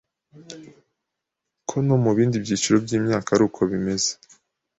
ko no mu bindi byiciro by’imyaka aruko bimeze